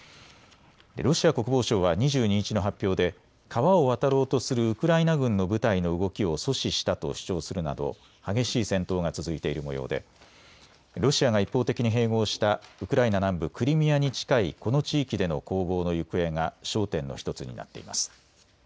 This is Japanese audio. ロシア国防省は２２日の発表で川を渡ろうとするウクライナ軍の部隊の動きを阻止したと主張するなど激しい戦闘が続いているもようでロシアが一方的に併合したウクライナ南部クリミアに近いこの地域での攻防の行方が焦点の１つになっています。